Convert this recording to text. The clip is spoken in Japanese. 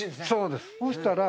そうです。